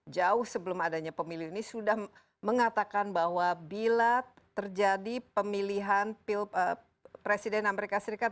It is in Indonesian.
jauh sebelum adanya pemilu ini sudah mengatakan bahwa bila terjadi pemilihan presiden amerika serikat